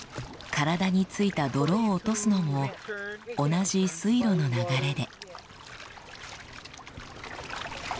体についた泥を落とすのも同じ水路の流れで。